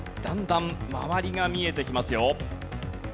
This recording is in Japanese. だんだん周りが見えてきますよ。